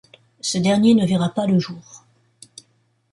Ce dernier ne verra pas le jour.